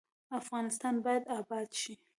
افغانستان باید اباد شي